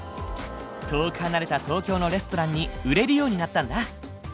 遠く離れた東京のレストランに売れるようになったんだ。